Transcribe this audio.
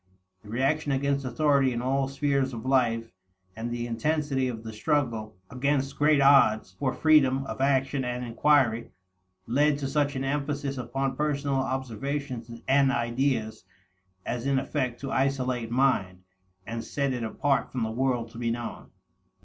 The reaction against authority in all spheres of life, and the intensity of the struggle, against great odds, for freedom of action and inquiry, led to such an emphasis upon personal observations and ideas as in effect to isolate mind, and set it apart from the world to be known.